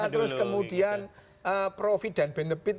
terus kemudian profit dan benefit